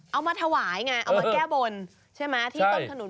เอามาถวายไงเอามาแก้บนใช่ไหมที่ต้นขนุน